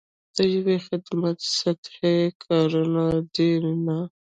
د ژبې خدمت سطحي کارونه دي نه.